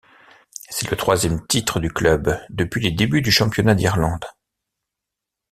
C’est le troisième titre du club depuis les débuts du Championnat d'Irlande.